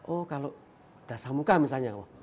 oh kalau dasar muka misalnya oh